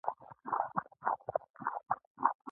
د مرکزي دولت جوړولو لپاره غالباً سیاسي انقلاب ته اړتیا ده